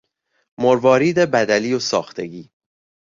مروارید بدلی و ساختگی